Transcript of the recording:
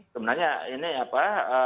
sebenarnya ini apa